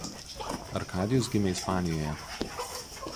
Arkadijus gimė Ispanijoje.